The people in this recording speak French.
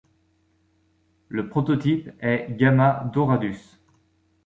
Le prototype est Gamma Doradus.